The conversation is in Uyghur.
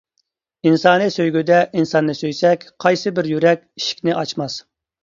ئىنسانىي سۆيگۈدە ئىنساننى سۆيسەك، قايسى بىر يۈرەك ئىشىكنى ئاچماس.